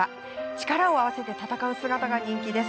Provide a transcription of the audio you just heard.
力を合わせて戦う姿が人気です。